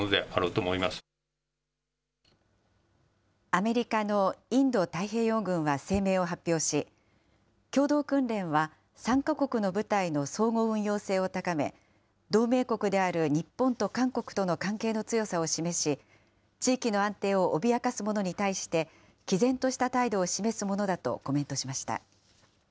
アメリカのインド太平洋軍は声明を発表し、共同訓練は３か国の部隊の相互運用性を高め、同盟国である日本と韓国との関係の強さを示し、地域の安定を脅かすものに対して、きぜんとした態度を示すものだとコメントしました。